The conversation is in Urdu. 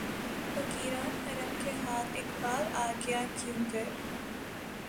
فقیران حرم کے ہاتھ اقبالؔ آ گیا کیونکر